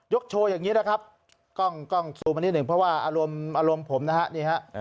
โชว์อย่างนี้นะครับกล้องซูมมานิดหนึ่งเพราะว่าอารมณ์อารมณ์ผมนะฮะนี่ฮะ